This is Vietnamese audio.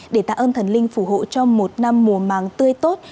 để tạ ơn thần linh phù hộ cho một năm mùa màng tươi tốt